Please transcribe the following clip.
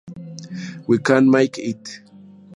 We Can Make It!